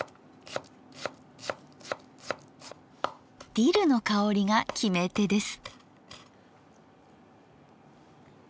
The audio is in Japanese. ディルの香りが決め手です。